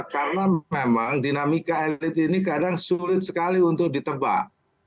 karena memang dinamika elit ini kadang sulit sekali untuk ditebak